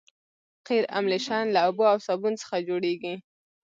قیر املشن له اوبو او صابون څخه جوړیږي